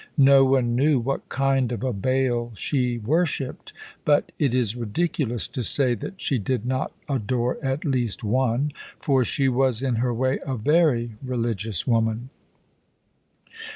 No one knew what kind of a Baal she worshipped, but it is ridiculous to say that she did not adore at least one, for she was, in her way, a very religious woman.